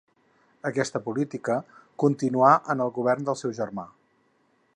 Aquesta política continuà en el govern del seu germà.